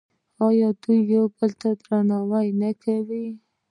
آیا دوی یو بل ته درناوی نه کوي؟